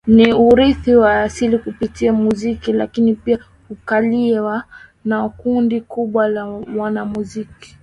Ni urithi wa asili kupitia muziki lakini pia hukaliwa na kundi kubwa la wanamuziki